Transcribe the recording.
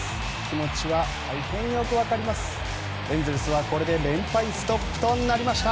気持ちは大変よく分かります。